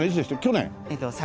去年！